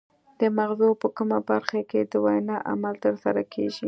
د مغزو په کومه برخه کې د وینا عمل ترسره کیږي